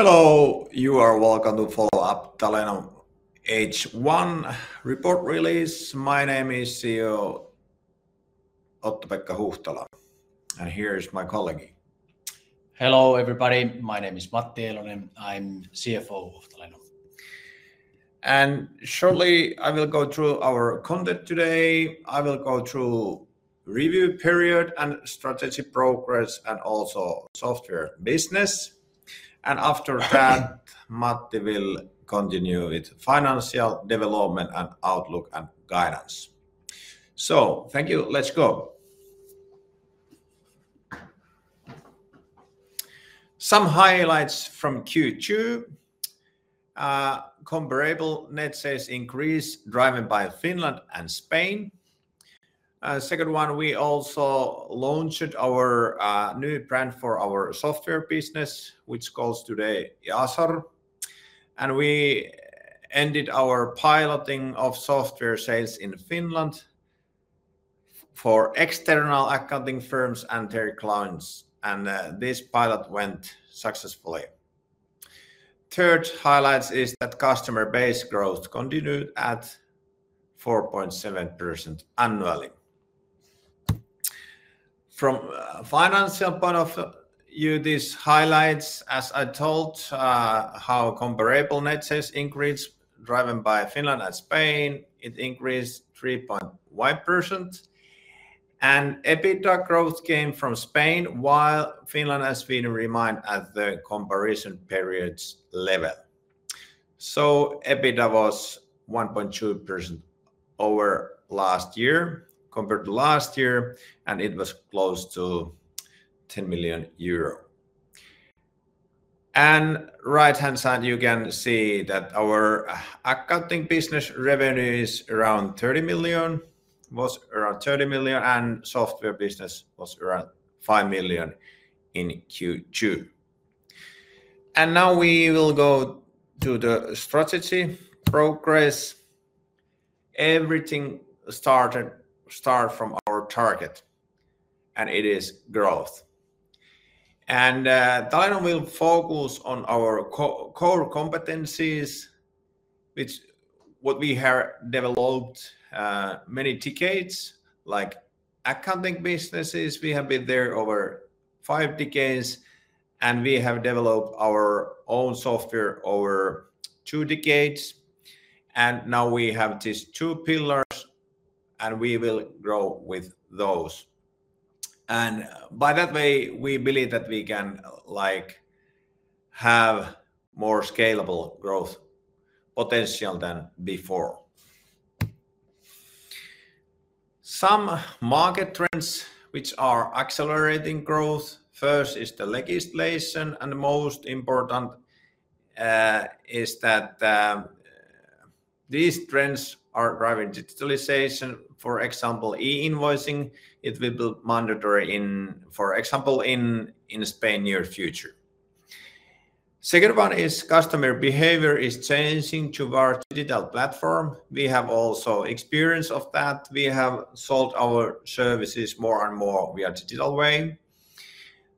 Hello, you are welcome to follow up Talenom Oyj report release. My name is Otto-Pekka Huhtala. Here is my colleague. Hello everybody, my name is Matti Eilonen. I'm CFO of Talenom. I will go through our content today. I will go through the review period and strategy progress and also software business. After that, Matti will continue with financial development and outlook and guidance. Thank you, let's go. Some highlights from Q2. Comparable net sales increase driven by Finland and Spain. Second one, we also launched our new brand for our software business, which is called today Yasar. We ended our piloting of software sales in Finland for external accounting firms and their clients. This pilot went successfully. Third highlight is that customer base growth continued at 4.7% annually. From a financial point of view, these highlights, as I told, how comparable net sales increase driven by Finland and Spain, it increased 3.1%. EBITDA growth came from Spain while Finland has remained at the comparison period's level. EBITDA was 1.2% over last year compared to last year, and it was close to 10 million euro. On the right-hand side, you can see that our accounting business revenue was around 30 million, and software business was around 5 million in Q2. Now we will go to the strategy progress. Everything started from our target, and it is growth. Talenom will focus on our core competencies, which we have developed many decades, like accounting businesses. We have been there over five decades, and we have developed our own software over two decades. Now we have these two pillars, and we will grow with those. By that way, we believe that we can have more scalable growth potential than before. Some market trends which are accelerating growth. First is the legislation, and the most important is that these trends are driving digitalization. For example, e-invoicing, it will be mandatory in, for example, in Spain in the near future. Second one is customer behavior is changing towards digital platform. We have also experience of that. We have sold our services more and more via digital way.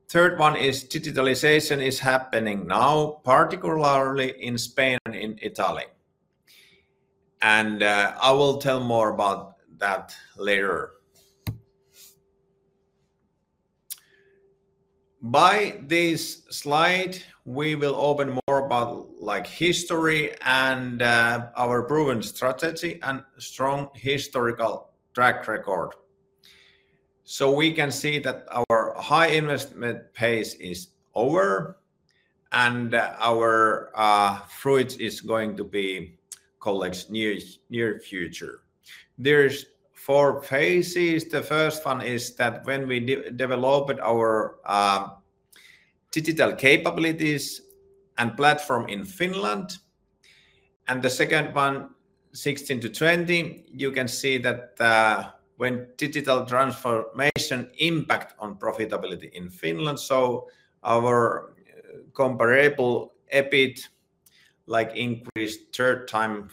Third one is digitalization is happening now, particularly in Spain and in Italy. I will tell more about that later. By this slide, we will open more about history and our proven strategy and strong historical track record. We can see that our high investment pace is over, and our fruits are going to be colleagues near future. There are four phases. The first one is that when we developed our digital capabilities and platform in Finland. The second one, 2016-2020, you can see that when digital transformation impacts on profitability in Finland. Our comparable EBITDA increased third time,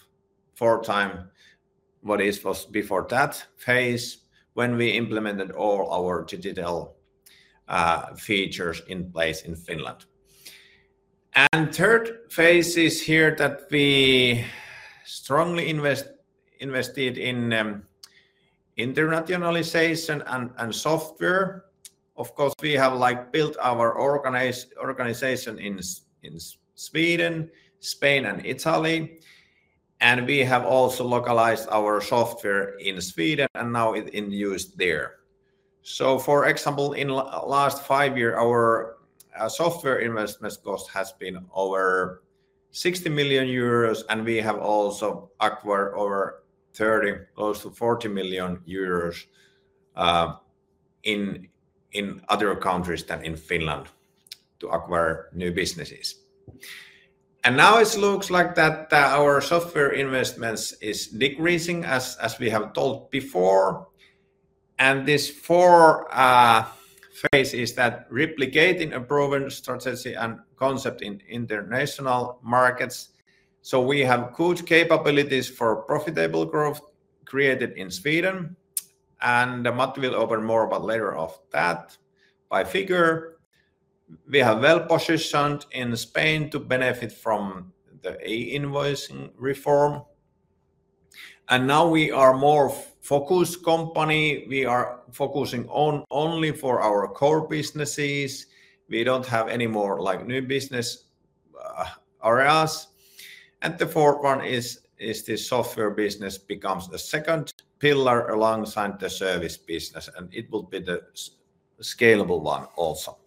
fourth time what it was before that phase when we implemented all our digital features in place in Finland. The third phase is here that we strongly invested in internationalization and software. Of course, we have built our organization in Sweden, Spain, and Italy. We have also localized our software in Sweden and now it's in use there. For example, in the last five years, our software investment cost has been over 60 million euros, and we have also acquired over 30 million, close to 40 million euros, in other countries than in Finland to acquire new businesses. Now it looks like our software investment is decreasing, as we have told before. The fourth phase is replicating a proven strategy and concept in international markets. We have good capabilities for profitable growth created in Sweden. Matti will open more about that later by figure. We are well positioned in Spain to benefit from the e-invoicing reform. Now we are a more focused company. We are focusing only on our core businesses. We don't have any more new business areas. The fourth one is the software business becomes the second pillar alongside the service business, and it will be the scalable one also.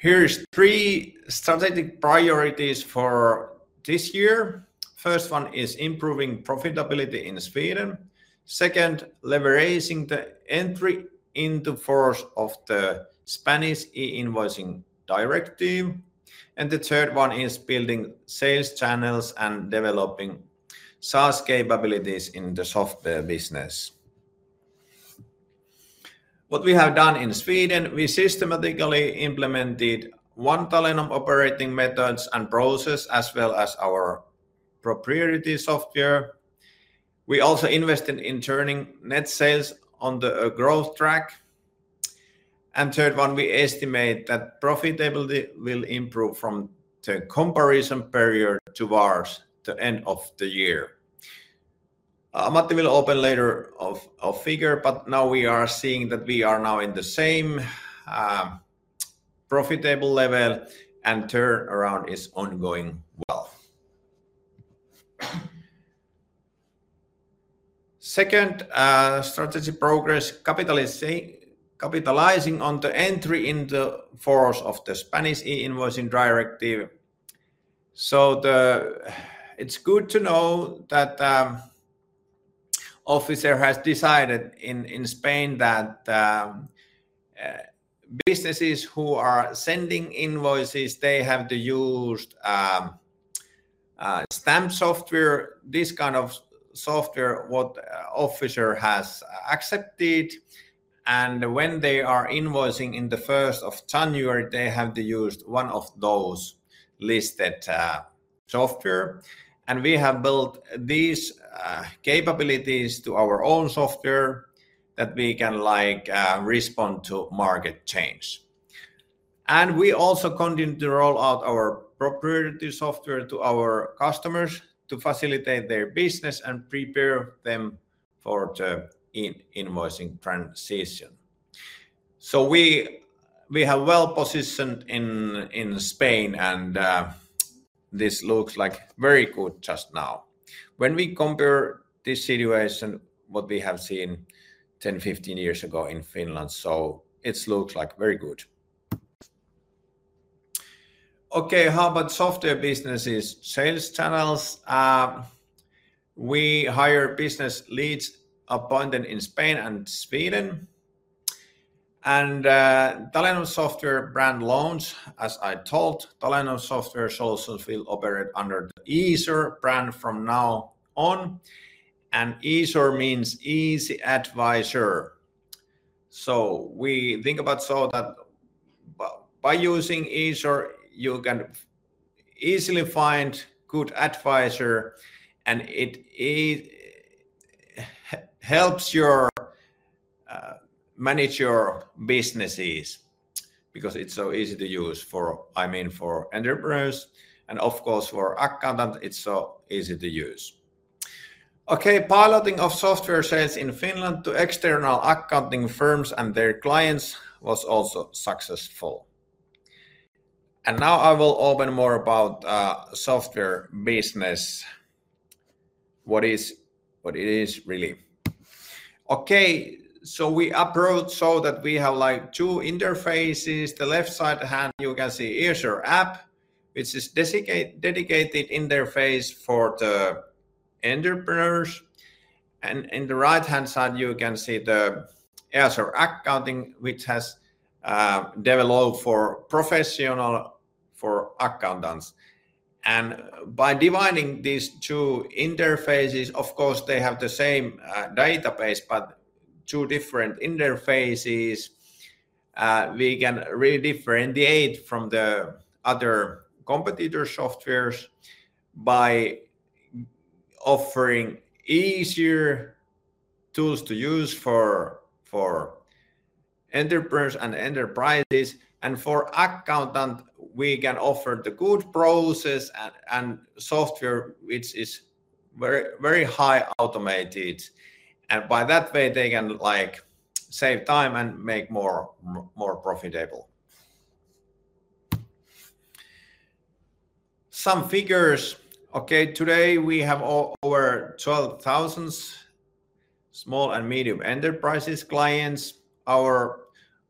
Here are three strategic priorities for this year. The first one is improving profitability in Sweden. The second is leveraging the entry into force of the Spanish e-invoicing directive. The third one is building sales channels and developing SaaS capabilities in the software business. What we have done in Sweden, we systematically implemented one Talenom operating methods and process, as well as our proprietary software. We also invested in turning net sales on the growth track. The third one, we estimate that profitability will improve from the comparison period to the end of the year. Matti will open later of figure, but now we are seeing that we are now in the same profitable level, and turnaround is ongoing well. The second strategy progress, capitalizing on the entry into force of the Spanish e-invoicing directive. It's good to know that the officer has decided in Spain that businesses who are sending invoices, they have to use stamp software, this kind of software what officer has accepted. When they are invoicing in the first of January, they have to use one of those listed software. We have built these capabilities to our own software that we can respond to market change. We also continue to roll out our proprietary software to our customers to facilitate their business and prepare them for the e-invoicing transition. We have well positioned in Spain, and this looks like very good just now. When we compare this situation, what we have seen 10, 15 years ago in Finland, it looks like very good. Okay, how about software businesses? Sales channels. We hire business leads abundant in Spain and Sweden. Talenom software brand launch, as I told, Talenom software sources will operate under the Easor brand from now on. Easor means easy advisor. We think about so that by using Easor, you can easily find a good advisor, and it helps you manage your businesses because it's so easy to use for, I mean, for entrepreneurs. Of course, for accountants, it's so easy to use. Piloting of software sales in Finland to external accounting firms and their clients was also successful. I will open more about software business, what it is really. We approach so that we have like two interfaces. The left side hand, you can see Easor app, which is a dedicated interface for the entrepreneurs. In the right-hand side, you can see the Easor accounting, which has developed for professional accountants. By dividing these two interfaces, of course, they have the same database, but two different interfaces. We can really differentiate from the other competitor softwares by offering easier tools to use for entrepreneurs and enterprises. For accountants, we can offer the good process and software, which is very, very high automated. By that way, they can like save time and make more more profitable. Some figures. Today we have over 12,000 small and medium enterprises clients. Our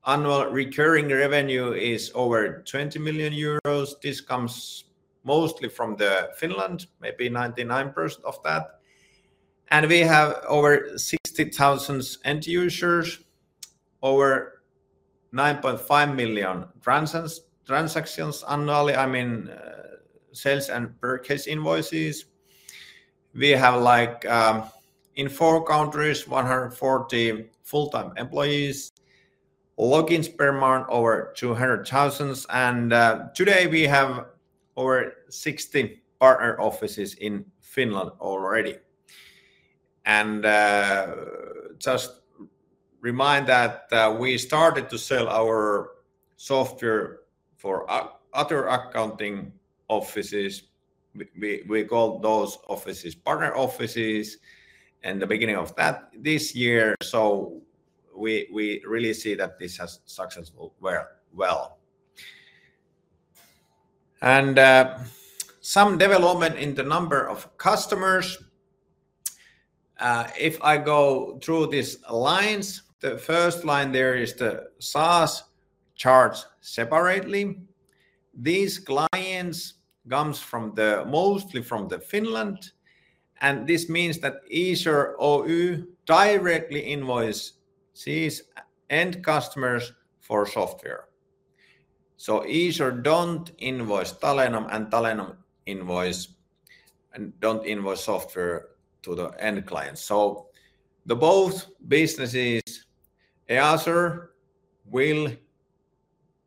annual recurring revenue is over 20 million euros. This comes mostly from Finland, maybe 99% of that. We have over 60,000 end users, over 9.5 million transactions annually. I mean, sales and purchase invoices. We have like in four countries, 140 full-time employees, logins per month over 200,000. Today we have over 16 partner offices in Finland already. Just remind that we started to sell our software for other accounting offices. We call those offices partner offices. The beginning of that this year. We really see that this has successfully went well. Some development in the number of customers. If I go through these lines, the first line there is the SaaS charts separately. These clients come mostly from Finland. This means that Easor directly invoices end customers for software. Easor doesn't invoice Talenom and Talenom doesn't invoice software to the end client. Both businesses, Easor will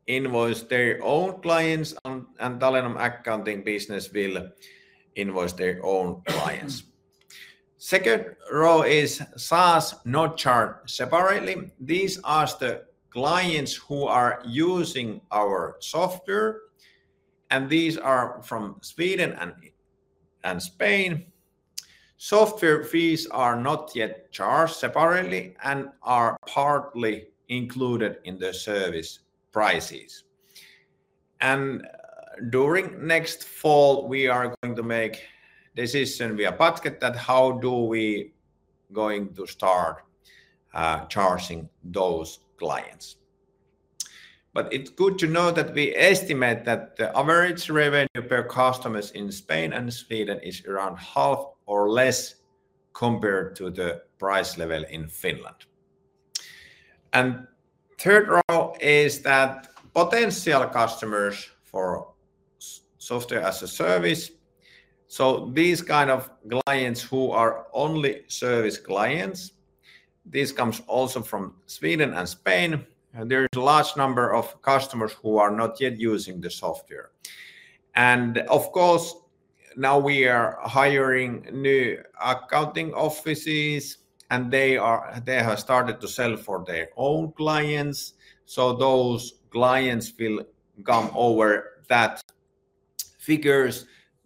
invoice their own clients and Talenom accounting business will invoice their own clients. Second row is SaaS not charged separately. These are the clients who are using our software, and these are from Sweden and Spain. Software fees are not yet charged separately and are partly included in the service prices. During next fall, we are going to make a decision via that how we are going to start charging those clients. It's good to know that we estimate that the average revenue per customer in Spain and Sweden is around half or less compared to the price level in Finland. Third row is that potential customers for software as a service. These kinds of clients who are only service clients, this comes also from Sweden and Spain. There is a large number of customers who are not yet using the software. Of course, now we are hiring new accounting offices, and they have started to sell for their own clients. Those clients will come over that figure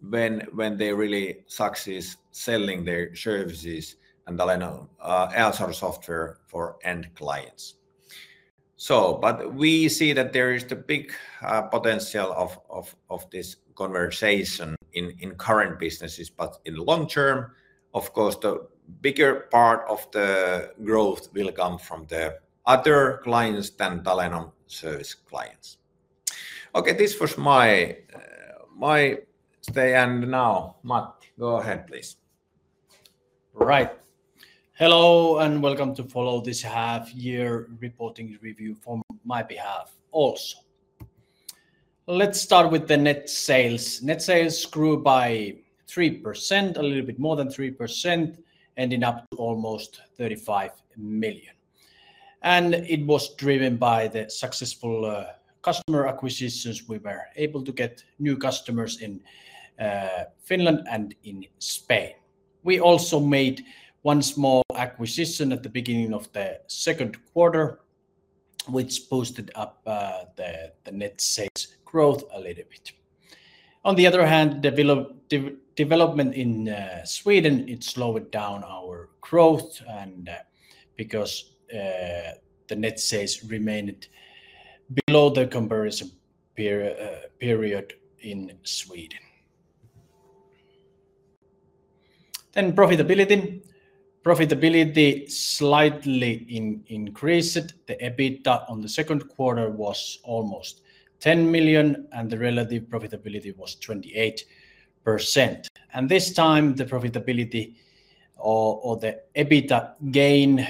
when they really succeed selling their services and Talenom Easor software for end clients. We see that there is big potential of this conversion in current businesses, but in the long term, the bigger part of the growth will come from the other clients than Talenom service clients. This was my stay and now, Matti, go ahead please. Hello and welcome to follow this half-year reporting review from my behalf also. Let's start with the net sales. Net sales grew by 3%, a little bit more than 3%, ending up to almost 35 million. It was driven by the successful customer acquisitions. We were able to get new customers in Finland and in Spain. We also made one small acquisition at the beginning of the second quarter, which boosted up the net sales growth a little bit. On the other hand, development in Sweden slowed down our growth because the net sales remained below the comparison period in Sweden. Profitability slightly increased. The EBITDA in the second quarter was almost 10 million, and the relative profitability was 28%. This time, the profitability or the EBITDA gain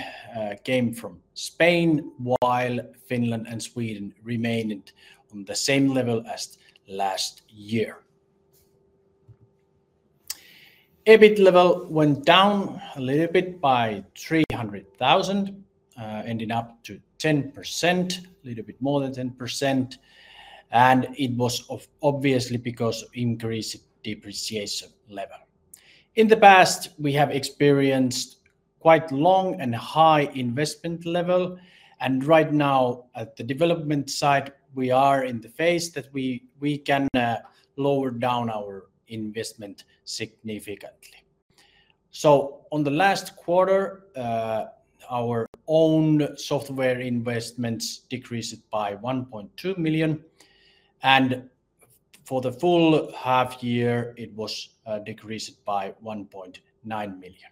came from Spain while Finland and Sweden remained on the same level as last year. EBIT level went down a little bit by 300,000, ending up to 10%, a little bit more than 10%. It was obviously because of increased depreciation level. In the past, we have experienced quite long and high investment level. Right now, at the development side, we are in the phase that we can lower down our investment significantly. In the last quarter, our own software investments decreased by 1.2 million. For the full half year, it was decreased by 1.9 million.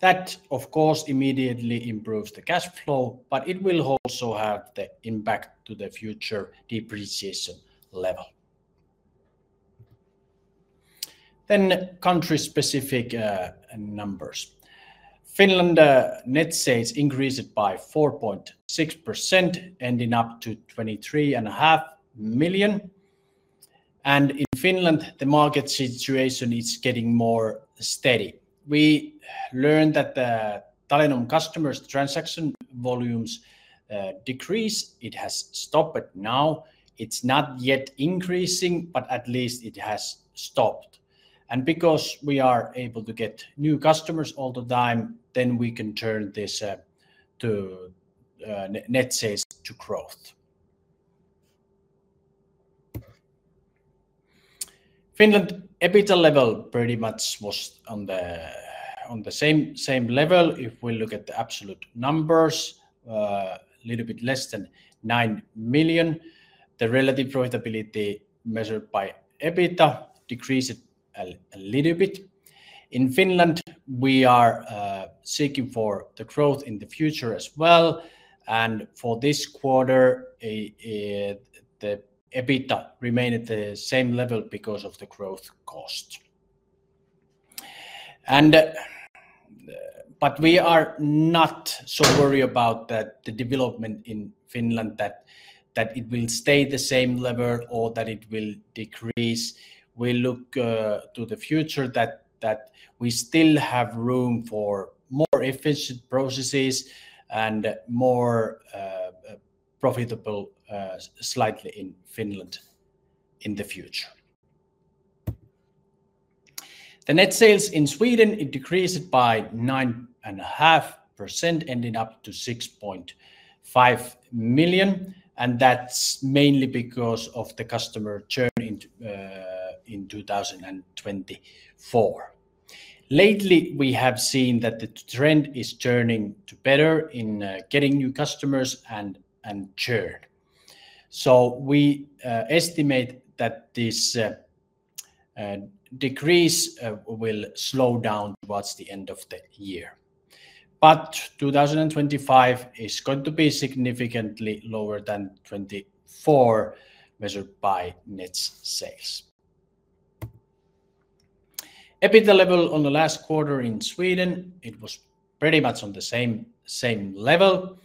That, of course, immediately improves the cash flow, but it will also have the impact to the future depreciation level. Country-specific numbers: Finland net sales increased by 4.6%, ending up to 23.5 million. In Finland, the market situation is getting more steady. We learned that the Talenom customers' transaction volumes decreased. It has stopped, but now it's not yet increasing, but at least it has stopped. Because we are able to get new customers all the time, we can turn this net sales to growth. Finland EBITDA level pretty much was on the same level. If we look at the absolute numbers, a little bit less than 9 million. The relative profitability measured by EBITDA decreased a little bit. In Finland, we are seeking for the growth in the future as well. For this quarter, the EBITDA remained at the same level because of the growth cost. We are not so worried about the development in Finland, that it will stay the same level or that it will decrease. We look to the future that we still have room for more efficient processes and more profitable slightly in Finland in the future. The net sales in Sweden decreased by 9.5%, ending up to 6.5 million. That's mainly because of the customer churn in 2024. Lately, we have seen that the trend is turning to better in getting new customers and churn. We estimate that this decrease will slow down towards the end of the year. 2025 is going to be significantly lower than 2024 measured by net sales. EBITDA level on the last quarter in Sweden was pretty much on the same level.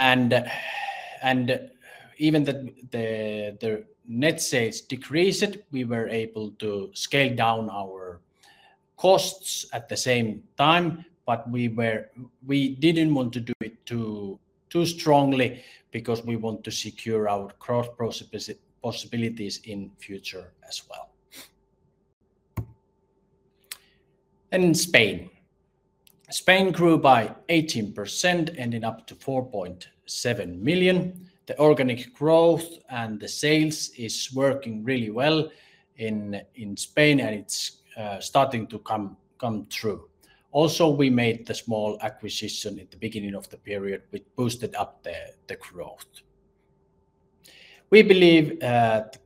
Even though the net sales decreased, we were able to scale down our costs at the same time. We didn't want to do it too strongly because we want to secure our growth possibilities in the future as well. Spain grew by 18%, ending up to 4.7 million. The organic growth and the sales are working really well in Spain, and it's starting to come through. Also, we made the small acquisition at the beginning of the period, which boosted up the growth. We believe that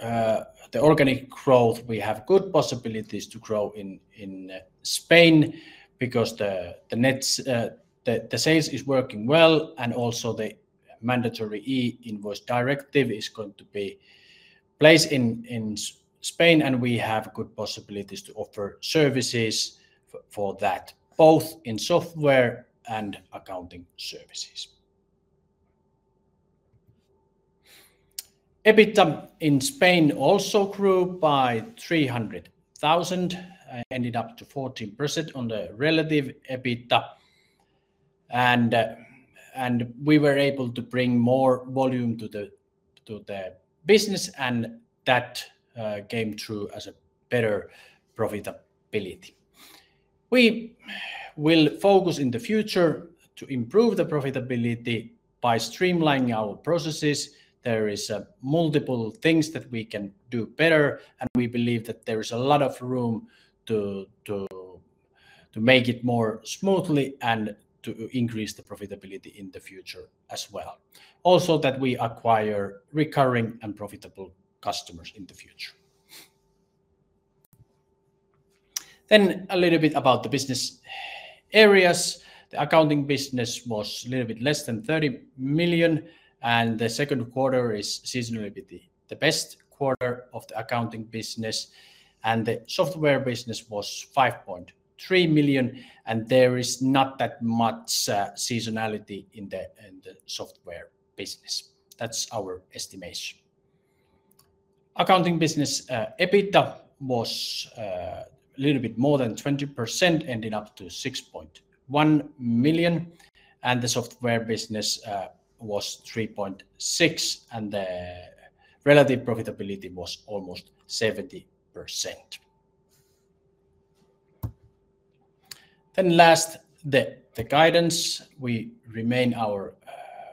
the organic growth, we have good possibilities to grow in Spain because the sales are working well. Also, the mandatory e-invoice directive is going to be placed in Spain, and we have good possibilities to offer services for that, both in software and accounting services. EBITDA in Spain also grew by 300,000, ending up to 14% on the relative EBITDA. We were able to bring more volume to the business, and that came through as a better profitability. We will focus in the future to improve the profitability by streamlining our processes. There are multiple things that we can do better, and we believe that there is a lot of room to make it more smoothly and to increase the profitability in the future as well. Also, that we acquire recurring and profitable customers in the future. A little bit about the business areas. The accounting business was a little bit less than 30 million, and the second quarter is seasonally the best quarter of the accounting business. The software business was 5.3 million, and there is not that much seasonality in the software business. That's our estimation. Accounting business EBITDA was a little bit more than 20%, ending up to 6.1 million. The software business was 3.6 million, and the relative profitability was almost 70%. Last, the guidance. We remain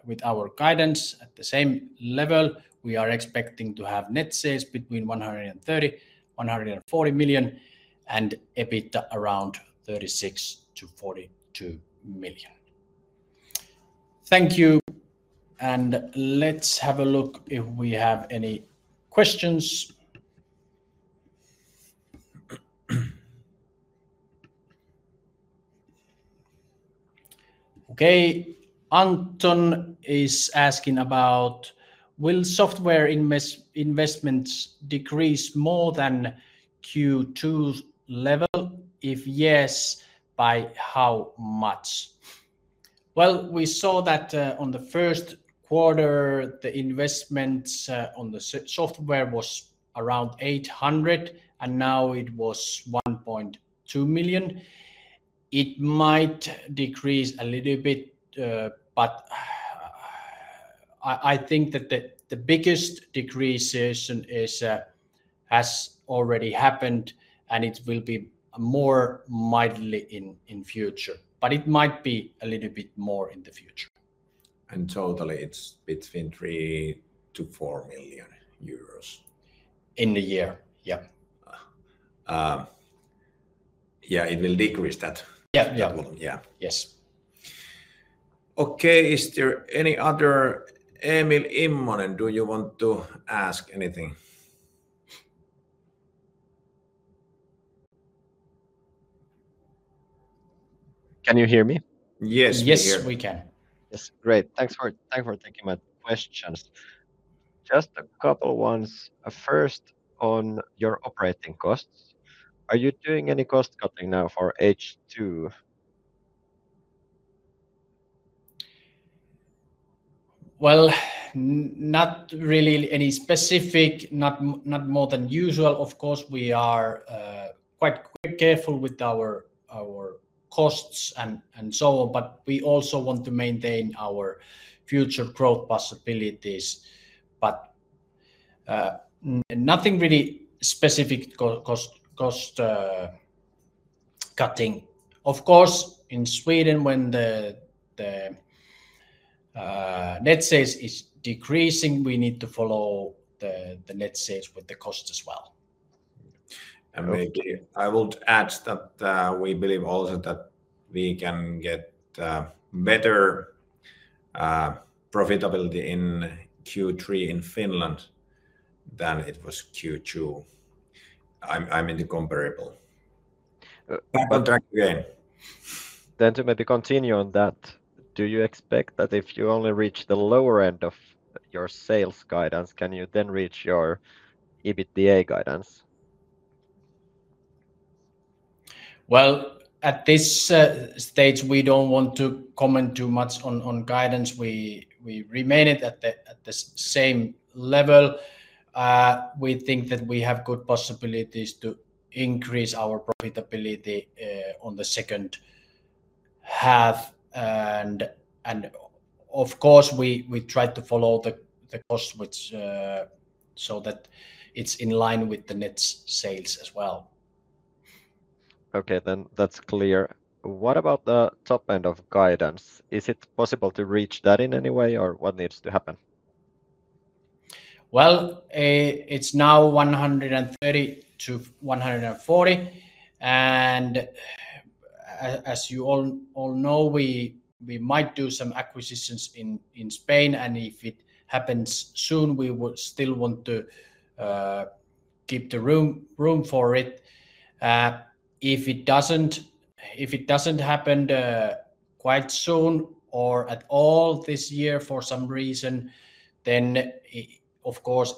with our guidance at the same level. We are expecting to have net sales between 130 million and 140 million, and EBITDA around 36 million-42 million. Thank you. Let's have a look if we have any questions. Okay. Anton is asking about, will software investments decrease more than Q2 level? If yes, by how much? On the first quarter, the investments on the software were around 800,000, and now it was 1.2 million. It might decrease a little bit, but I think that the biggest decrease has already happened, and it will be more mildly in the future. It might be a little bit more in the future. It's between 3 million-4 million euros in total. In a year, yeah. Yeah, it will decrease that. Yeah, yeah. Okay, is there any other, Emil Immonen, do you want to ask anything? Can you hear me? Yes, we can. Yes, great. Thanks for taking my questions. Just a couple of ones. First, on your operating costs, are you doing any cost cutting now for H2? Not really any specific, not more than usual. Of course, we are quite careful with our costs and so on, but we also want to maintain our future growth possibilities. Nothing really specific cost cutting. Of course, in Sweden, when the net sales are decreasing, we need to follow the net sales with the cost as well. I will add that we believe also that we can get better profitability in Q3 in Finland than it was Q2, I mean, the comparable. To maybe continue on that, do you expect that if you only reach the lower end of your sales guidance, can you then reach your EBITDA guidance? At this stage, we don't want to comment too much on guidance. We remain at the same level. We think that we have good possibilities to increase our profitability on the second half. Of course, we try to follow the costs so that it's in line with the net sales as well. Okay, that's clear. What about the top end of guidance? Is it possible to reach that in any way, or what needs to happen? It is now 130-140. As you all know, we might do some acquisitions in Spain. If it happens soon, we will still want to keep the room for it. If it doesn't happen quite soon or at all this year for some reason,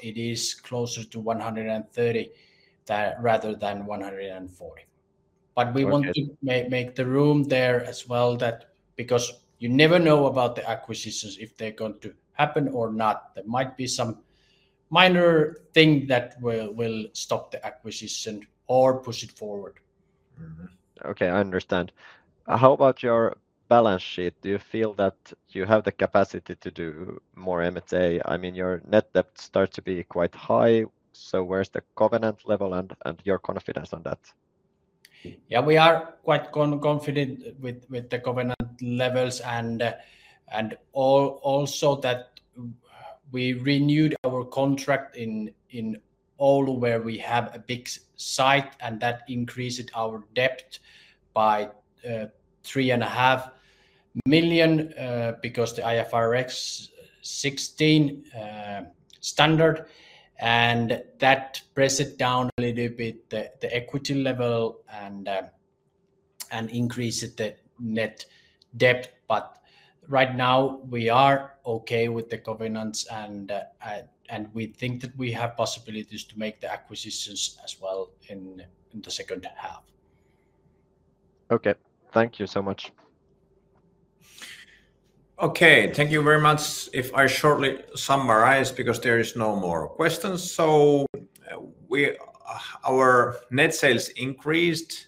it is closer to 130 rather than 140. We want to make the room there as well because you never know about the acquisitions, if they're going to happen or not. There might be some minor thing that will stop the acquisition or push it forward. Okay, I understand. How about your balance sheet? Do you feel that you have the capacity to do more MSA? I mean, your net debt starts to be quite high. Where's the covenant level and your confidence on that? Yeah, we are quite confident with the covenant levels. Also, we renewed our contract in Oulu, where we have a big site, and that increased our debt by 3.5 million because of the IFRS 16 standard. That pressed down a little bit the equity level and increased the net debt. Right now, we are okay with the covenants, and we think that we have possibilities to make the acquisitions as well in the second half. Okay, thank you so much. Okay, thank you very much. If I shortly summarize because there are no more questions, our net sales increased,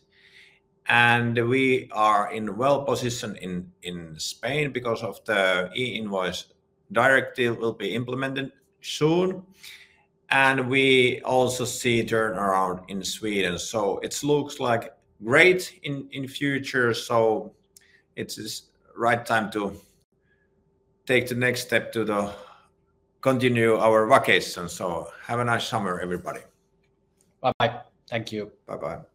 and we are in a well position in Spain because the e-invoice directive will be implemented soon. We also see turnaround in Sweden. It looks like great in the future. It's the right time to take the next step to continue our vacation. Have a nice summer, everybody. Bye-bye. Thank you. Bye-bye.